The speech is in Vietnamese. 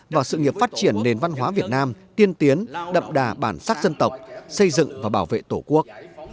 vào sự nghiệp phát triển nền văn hóa việt nam tiên tiến đậm đà bản sắc dân tộc xây dựng và bảo vệ tổ quốc